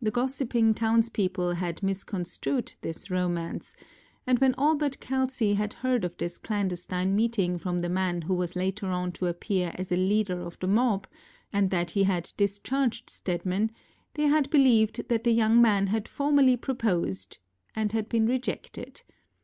The gossiping townspeople had misconstrued this romance, and when Albert Kelsey had heard of this clandestine meeting from the man who was later on to appear as a leader of the mob, and that he had discharged Stedman, they had believed that the young man had formally proposed and had been rejected.